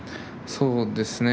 そうですね。